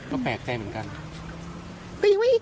ก็แปลกใจเหมือนกัน